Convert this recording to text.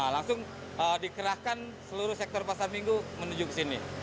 langsung dikerahkan seluruh sektor pasar minggu menuju kesini